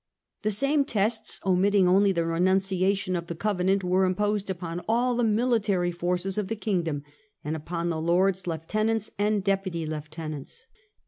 * The same tests, omitting only the renunciation of the Covenant, were imposed upon all the military forces of the kingdom, and upon the lord lieutenants and deputy lieutenants.